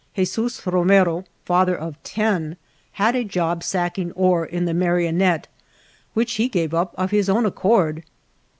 Jesus Romero, father of ten, had a job sacking ore in the Marionette which he gave up of his own accord.